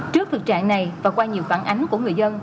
trước thực trạng này và qua nhiều phản ánh của người dân